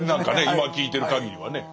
今聞いてる限りはね。